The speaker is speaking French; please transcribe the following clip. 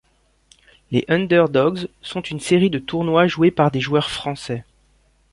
Les Underdogs sont une série de tournois joués par des joueurs français.